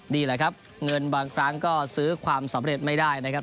นี่แหละครับเงินบางครั้งก็ซื้อความสำเร็จไม่ได้นะครับ